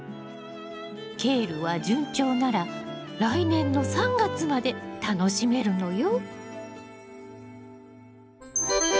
ケールは順調なら来年の３月まで楽しめるのよ。